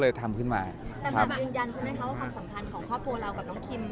แต่ถามยืนยันใช่ไหมครับว่าความสัมพันธ์ของครอบครัวเรากับน้องคิม